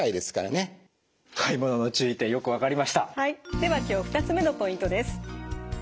では今日２つ目のポイントです。